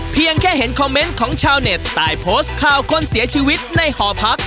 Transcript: เพียงแค่เห็นคอมเมนต์ของชาวเน็ตตายโพสต์ข่าวคนเสียชีวิตในหอพัก